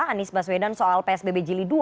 anies baswedan soal psbb jili dua